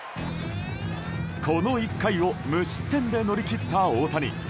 この１回を無失点で乗り切った大谷。